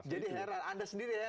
jadi heran anda sendiri ya